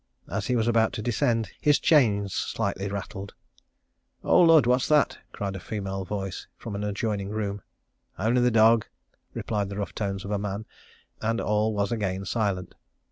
As he was about to descend, his chains slightly rattled. 'O lud! what's that?' cried a female voice from an adjoining room 'Only the dog,' replied the rough tones of a man, and all was again silent.